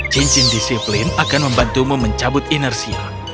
cincin disiplin akan membantumu mencabut inersial